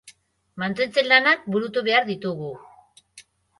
Mantentze-lanak burutu behar ditugu.